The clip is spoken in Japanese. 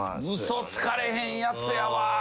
嘘つかれへんやつやわ。